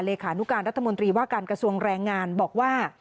ขานุการรัฐมนตรีว่าการกระทรวงแรงงานบอกว่า